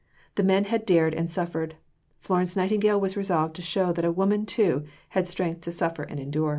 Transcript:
The men had dared and suffered; and Florence Nightingale was resolved to show that a woman too had strength to suffer and endure.